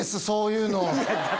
そういうの。